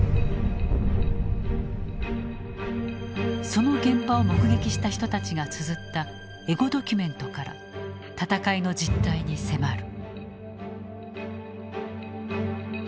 その現場を目撃した人たちがつづったエゴドキュメントから戦いの実態に迫る。